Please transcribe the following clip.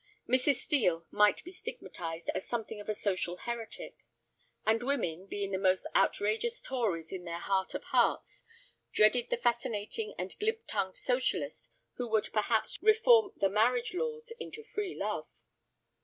Mrs. Steel might be stigmatized as something of a social heretic. And women, being the most outrageous Tories in their heart of hearts, dreaded the fascinating and glib tongued Socialist who would perhaps reform the marriage laws into free love.